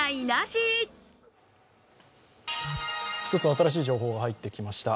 新しい情報が入ってきました。